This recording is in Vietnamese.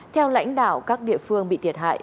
theo lãnh đạo các địa phương bị thiệt hại